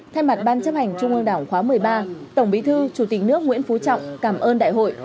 thay mặt ban chấp hành trung ương đảng khóa một mươi ba tổng bí thư chủ tịch nước nguyễn phú trọng cảm ơn đại hội